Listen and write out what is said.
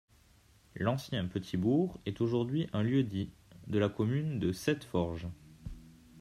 L'ancien petit bourg est aujourd'hui un lieu-dit de la commune de Sept-Forges.